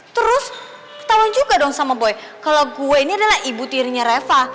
terus ketahu juga dong sama boy kalau gue ini adalah ibu tirinya reva